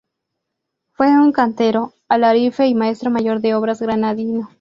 Fue un cantero, alarife, y maestro mayor de obras granadino.